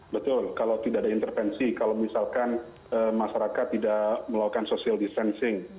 betul kalau tidak ada intervensi kalau misalkan masyarakat tidak melakukan social distancing